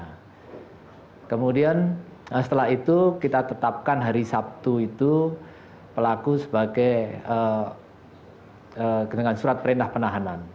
nah kemudian setelah itu kita tetapkan hari sabtu itu pelaku sebagai dengan surat perintah penahanan